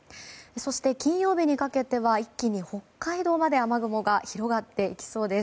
そして金曜日にかけては一気に北海道にまで雨雲が広がっていきそうです。